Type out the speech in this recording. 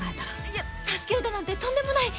いや助けるだなんてとんでもない。